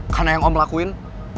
karena yang om lakuin